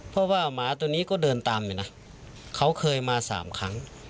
เพราะว่าหมาตัวนี้ก็เดินตามอยู่นะเขาเคยมาสามครั้ง